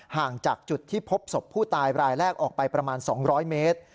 ห่างจากจุดที่พบศพผู้ตายรายแรกออกไปประมาณ๒๐๐เมตร